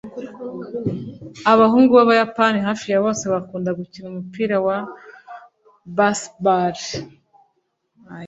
Abahungu bAbayapani hafi ya bose bakunda gukina umupira wa baseball